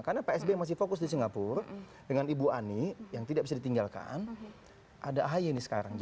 karena psb masih fokus di singapura dengan ibu ani yang tidak bisa ditinggalkan ada ahi ini sekarang